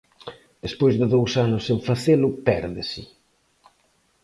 Despois de dous anos sen facelo, pérdese.